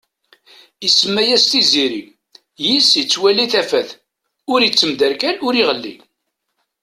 Isemma-yas Tiziri, yiss ittwali tafat. Ur ittemderkal ur iɣelli.